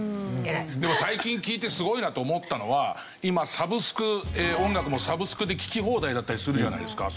でも最近聞いてすごいなと思ったのは今サブスク音楽もサブスクで聴き放題だったりするじゃないですか。